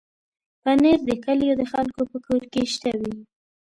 پنېر د کلیو د خلکو په کور کې شته وي.